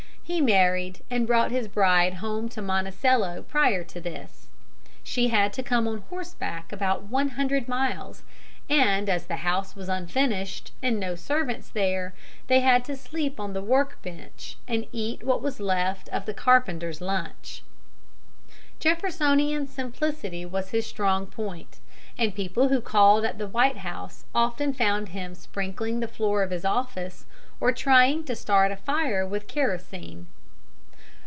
He married and brought his bride home to Monticello prior to this. She had to come on horseback about one hundred miles, and, as the house was unfinished and no servants there, they had to sleep on the work bench and eat what was left of the carpenter's lunch. Jeffersonian simplicity was his strong point, and people who called at the White House often found him sprinkling the floor of his office, or trying to start a fire with kerosene.